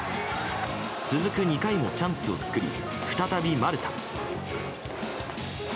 続く２回もチャンスを作り再び、丸田。